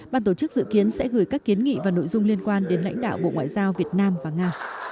ban tổ chức dự kiến sẽ gửi các kiến nghị và nội dung liên quan đến lãnh đạo bộ ngoại giao việt nam và nga